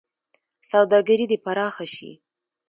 سوداګري دې پراخه شي.